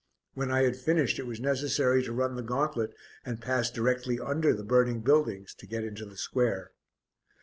When I had finished it was necessary to run the gauntlet, and pass directly under the burning buildings to get into the square.